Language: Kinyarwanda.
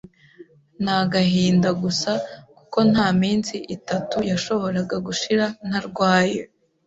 n’agahinda gusa kuko nta minsi itatu yashoboraga gushira ntarwaye,